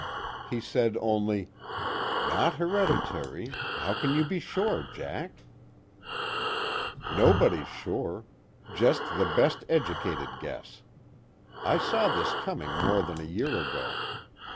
He said only: "Not hereditary how can you be sure, Jack?" "Nobody's sure just the best educated guess. I saw this coming more than a year ago.